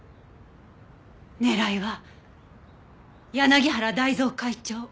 狙いは柳原大造会長。